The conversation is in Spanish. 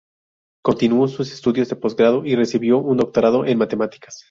Continuó sus estudios de postgrado y recibió un doctorado en Matemáticas.